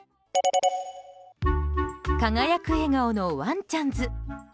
輝く笑顔のワンちゃんズ。